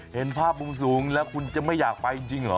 เห็นภาพมุมสูงแล้วคุณจะไม่อยากไปจริงเหรอ